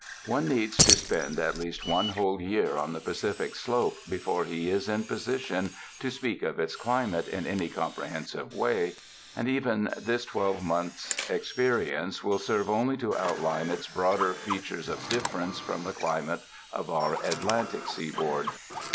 One needs to spend at least one whole year on the Pacific Slope before he is in position to speak of its climate in any compre hensive way; and even this twelve month's experi ence will serve only to outline its broader features of difference from the climate of our Atlantic sea board.